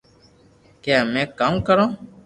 ڪي امي ڪاو ڪرو